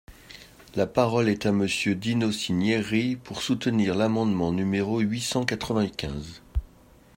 La parole est à Monsieur Dino Cinieri, pour soutenir l’amendement numéro huit cent quatre-vingt-quinze.